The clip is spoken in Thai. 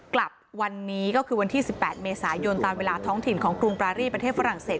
กลับวันนี้ก็คือวันที่๑๘เมษายนตามเวลาท้องถิ่นของกรุงปรารีประเทศฝรั่งเศส